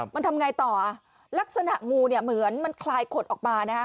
มันทำไงต่อลักษณะงูเนี่ยเหมือนมันคลายขดออกมา